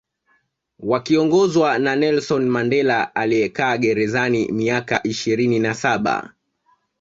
Wakiongozwa na Nelson Mandela aliyekaa gerezani miaka ishirini na Saba